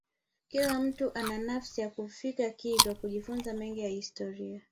Kila mtu ana nafasi ya kufika kilwa kujifunza mengi ya kihistoria